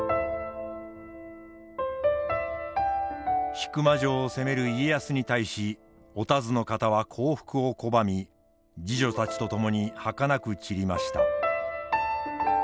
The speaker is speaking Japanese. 引間城を攻める家康に対しお田鶴の方は降伏を拒み侍女たちと共にはかなく散りました。